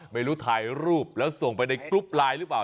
ไม่รู้ถ่ายรูปแล้วส่งไปในกรุ๊ปไลน์หรือเปล่า